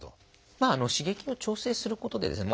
まあ刺激を調整することでですね